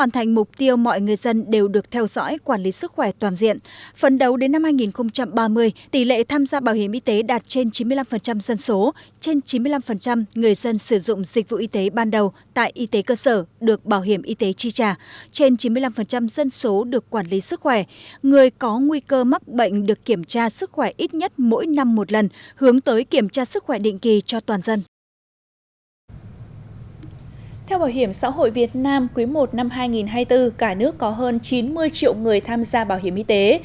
theo bảo hiểm xã hội việt nam quý i năm hai nghìn hai mươi bốn cả nước có hơn chín mươi triệu người tham gia bảo hiểm y tế